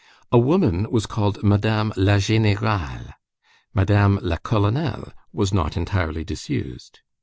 A woman was called Madame la Générale. Madame la Colonelle was not entirely disused.